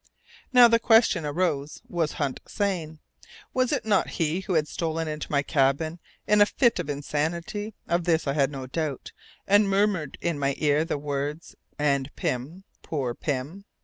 Now the question arose, was Hunt sane? Was it not he who had stolen into my cabin in a fit of insanity of this I had no doubt and murmured in my ear the words: "And Pym poor Pym"?